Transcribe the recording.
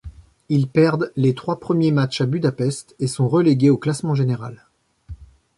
Ils perdent les trois premiers matchs à Budapest et sont relégués au classement général.